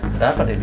bagaimana pak debi